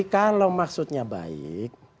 kalau maksudnya baik